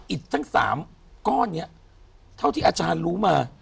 อิตทั้ง๓ก้อนเท่าที่อาชารรู้มา